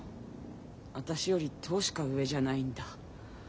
私より１０しか上じゃないんだ。